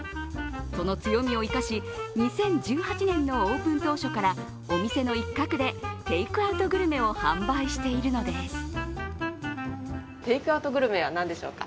その強みを生かし、２０１８年のオープン当初からお店の一角でテイクアウトグルメを販売しているのです。